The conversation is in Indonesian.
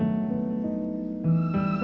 terima kasih pak haji